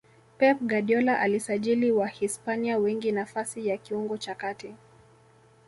pep guardiola alisajili wahispania wengi nafasi ya kiungo cha kati